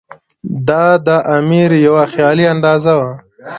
دا د امیر یوه خیالي اندازه وه.